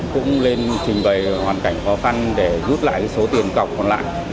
cũng lên trình bày hoàn cảnh khó khăn để rút lại số tiền cọc còn lại